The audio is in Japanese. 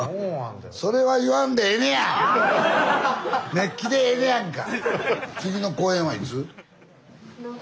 熱気でええねやんか！